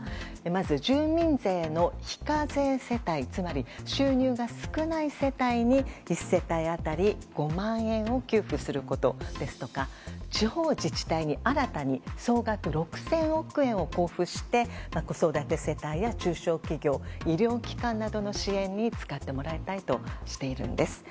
まず、住民税の非課税世帯つまり収入が少ない世帯に１世帯当たり５万円を給付することですとか地方自治体に新たに総額６０００億円を交付して子育て世帯や中小企業医療機関などの支援に使ってもらいたいとしているんです。